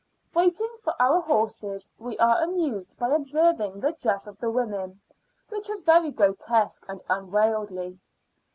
Waiting for our horses, we were amused by observing the dress of the women, which was very grotesque and unwieldy.